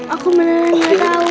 aku bener bener gak tau